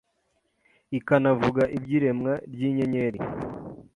ikanavuga iby’iremwa ry’inyenyeri